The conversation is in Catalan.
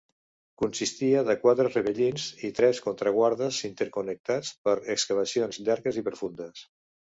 Consistia de quatre ravellins i tres contraguardes interconnectats per excavacions llargues i profundes.